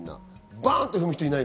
バンって踏む人はいない。